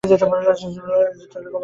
ভালো, চমৎকার, ভালোই ক্ষুধা লাগছে?